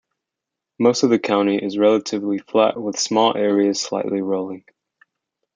Most of the county is relatively flat with small areas slightly rolling.